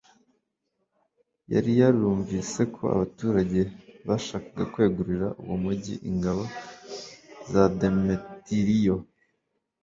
yari yarumvise ko abaturage bashakaga kwegurira uwo mugi ingabo za demetiriyo